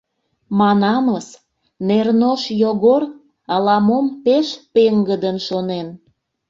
Манамыс, Нернош Йогор ала-мом пеш пеҥгыдын шонен.